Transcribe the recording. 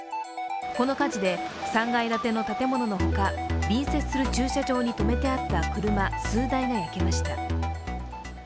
この火事で３階建ての建物の他、隣接する駐車場に止めてあった車数台が焼けました。